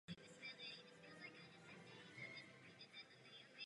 Pár dní před závodem si však přivodil zranění a do úvodního rozběhu nakonec nenastoupil.